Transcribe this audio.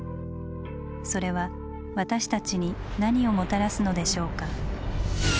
それは私たちに何をもたらすのでしょうか。